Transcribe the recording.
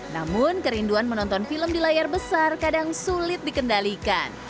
namun kerinduan menonton film di layar besar kadang sulit dikendalikan